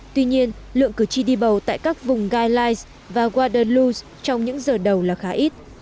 tuy nhiên lượng cử tri đi bầu tại các vùng guy lys và waterloo trong những giờ đầu là khá ít